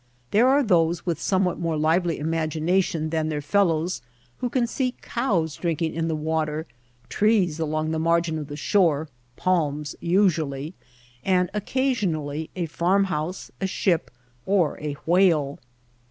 There are those with somewhat more lively imagination than their fellows who can see cows drinking in the water, trees along the margin of the shore (palms usually), and occasionally a farm house, a ship, or a whale.